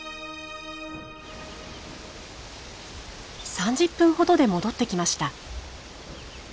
３０分ほどで戻ってきました。